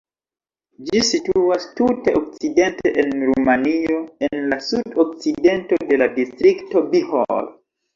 Ĝi situas tute okcidente en Rumanio, en la sud-okcidento de la distrikto Bihor.